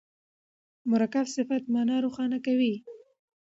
مرکب صفت مانا روښانه کوي.